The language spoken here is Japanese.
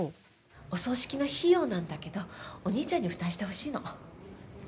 お葬式の費用なんだけどお兄ちゃんに負担してほしいの。